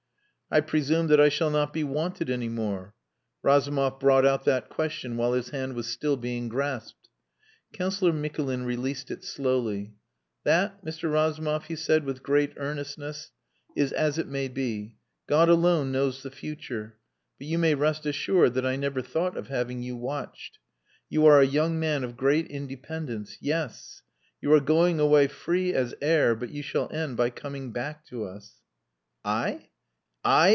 "I presume that I shall not be wanted any more?" Razumov brought out that question while his hand was still being grasped. Councillor Mikulin released it slowly. "That, Mr. Razumov," he said with great earnestness, "is as it may be. God alone knows the future. But you may rest assured that I never thought of having you watched. You are a young man of great independence. Yes. You are going away free as air, but you shall end by coming back to us." "I! I!"